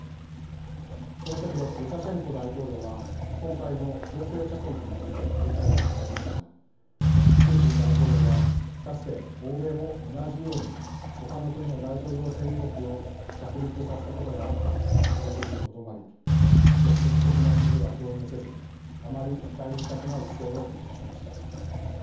この席でルカシェンコ大統領は今回の強制着陸について理解を求めましたがプーチン大統領はかつて欧米も同じようにほかの国の大統領専用機を着陸させたことがあったと応じるにとどまり直接的な支持は表明せずあまり深入りしたくない姿勢をにじませました。